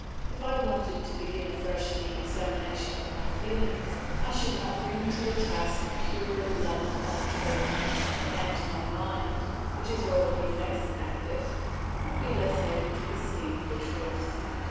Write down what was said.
If I wanted to begin afresh the examination of my feelings, I should not bring to the task a purer love of truth; and my mind, which is already less active, would be less able to perceive the truth.